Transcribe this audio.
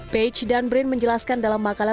page dan brin menjelaskan dalam makalah